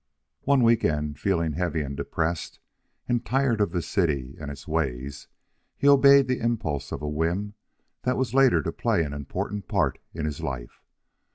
One week end, feeling heavy and depressed and tired of the city and its ways, he obeyed the impulse of a whim that was later to play an important part in his life.